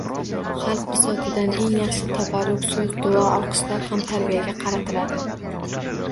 Xalq bisotidan eng yaxshi tabarruk so‘zlar duo, olqishlar ham tarbiyaga qaratiladi